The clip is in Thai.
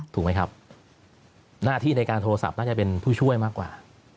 ถูกไหมครับหน้าที่ในการโทรศัพท์น่าจะเป็นผู้ช่วยมากกว่า